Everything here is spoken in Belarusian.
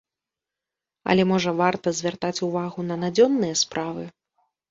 Але, можа, варта, звяртаць увагу на надзённыя справы?